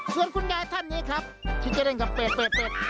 ส่วนคุณยายท่านนี้ครับที่จะเล่นกับเป็ด